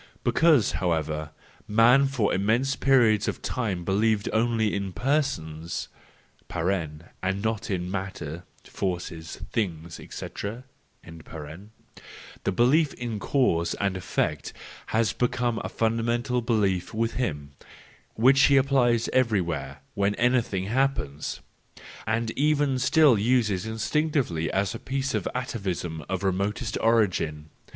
Because, however, man for immense periods of time believed only in persons (and not in matter, forces, things, &c.), the belief in cause and effect has become a funda¬ mental belief with him, which he applies every¬ where when anything happens,—and even still uses instinctively as a piece of atavism of remotest origin.